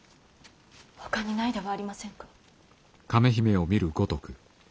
ほかにないではありませんか。